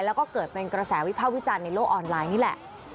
แล้วก็เกิดเป็นกระแสวิภาควิจารณ์ในโลกออนไลน์นี่แหละ